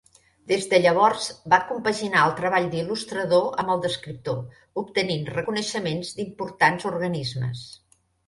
Des de llavors va compaginar el treball d'il·lustrador amb el d'escriptor, obtenint reconeixements d'importants organismes.